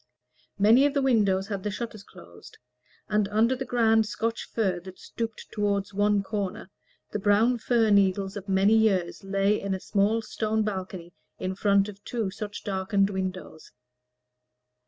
Many of the windows had the shutters closed, and under the grand Scotch fir that stooped toward one corner, the brown fir needles of many years lay in a small stone balcony in front of two such darkened windows.